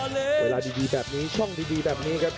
เวลาดีแบบนี้ช่องดีแบบนี้ครับ